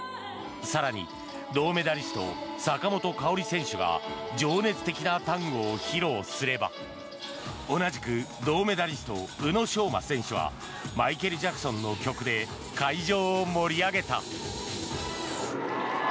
更に、銅メダリスト坂本花織選手が情熱的なタンゴを披露すれば同じく銅メダリスト宇野昌磨選手はマイケル・ジャクソンの曲で会場を盛り上げた。